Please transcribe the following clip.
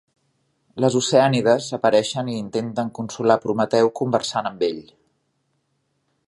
Les oceànides apareixen i intenten consolar Prometeu conversant amb ell.